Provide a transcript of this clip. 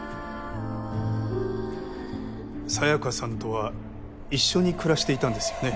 紗也香さんとは一緒に暮らしていたんですよね？